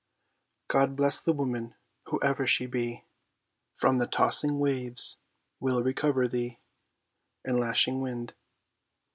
God bless the woman, whoever she be, From the tossing waves will recover thee And lashing wind.